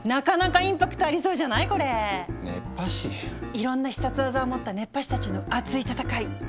いろんな必殺技を持った熱波師たちのアツい戦い。